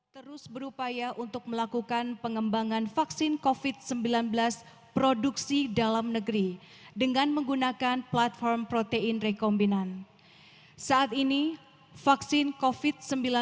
terus berupaya untuk melakukan pengembangan vaksin covid sembilan belas